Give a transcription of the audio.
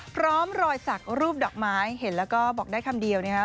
พร้อมรอยสักรูปดอกไม้เห็นแล้วก็บอกได้คำเดียวนะครับ